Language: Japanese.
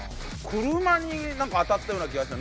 車になんか当たったような気がした。